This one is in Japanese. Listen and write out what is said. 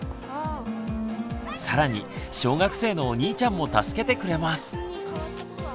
更に小学生のお兄ちゃんも助けてくれます。